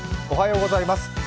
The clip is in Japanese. おはようございます。